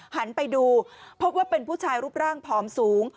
หันไปดูพบว่าเป็นผู้ชายรูปร่างผอมสูง